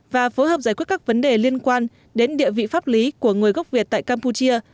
và phối hợp giải quyết các vấn đề liên quan đến địa vị pháp lý của người gốc việt tại campuchia